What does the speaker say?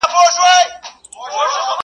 زه قاتل سوم زه د غلو سپه سالار سوم،